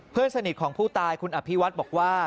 เพื่อนสนิทของผู้ตายคุณอภิวัฒน์บอกว่า